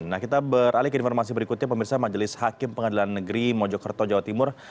nah kita beralih ke informasi berikutnya pemirsa majelis hakim pengadilan negeri mojokerto jawa timur